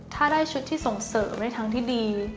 ถ้าได้ชุดที่ส่งเสริมในทางที่ดี